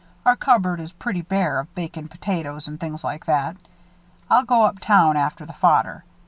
"Our cupboard is pretty bare of bacon, potatoes, and things like that. I'll go up town after the fodder.